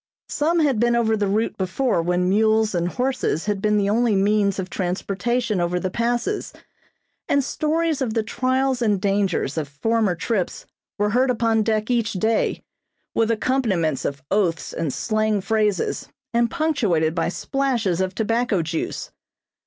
Some had been over the route before when mules and horses had been the only means of transportation over the Passes, and stories of the trials and dangers of former trips were heard upon deck each day, with accompaniments of oaths and slang phrases, and punctuated by splashes of tobacco juice.